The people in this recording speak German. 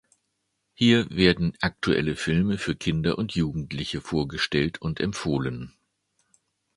Hier werden aktuelle Filme für Kinder und Jugendliche vorgestellt und empfohlen.